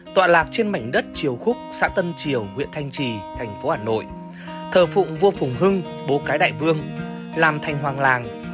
tọa lạc trên mảnh đất triều khúc xã tân triều huyện thanh trì thành phố hà nội thờ phụng vua phùng hưng bố cái đại vương làm thành hoàng làng